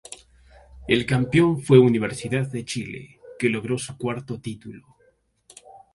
El campeón fue Universidad de Chile que logró su cuarto título.